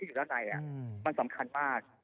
อยู่ด้านในมันสำคัญมาก